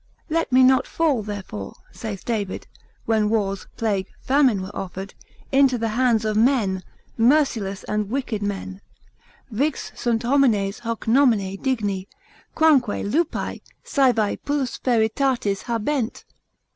Let me not fall therefore (saith David, when wars, plague, famine were offered) into the hands of men, merciless and wicked men: ———Vix sunt homines hoc nomine digni, Quamque lupi, saevae plus feritatis habent.